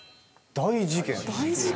大事件。